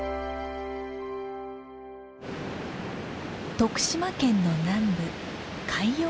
徳島県の南部海陽町。